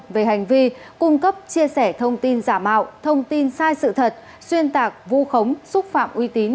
về hành vi cung cấp chia sẻ thông tin giả mạo thông tin sai sự thật xuyên tạc vu khống xúc phạm uy tín